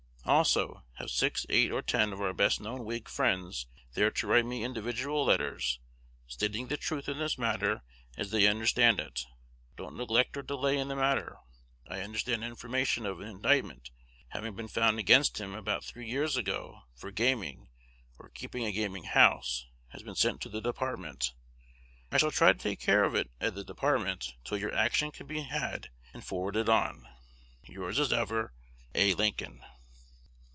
Also, have six, eight, or ten of our best known Whig friends there to write me individual letters, stating the truth in this matter as they understand it. Don't neglect or delay in the matter. I understand information of an indictment having been found against him about three years ago for gaming, or keeping a gaming house, has been sent to the Department. I shall try to take care of it at the Department till your action can be had and forwarded on. Yours as ever, A. Lincoln.